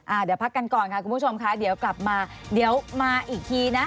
เดี๋ยวพักกันก่อนค่ะคุณผู้ชมค่ะเดี๋ยวกลับมาเดี๋ยวมาอีกทีนะ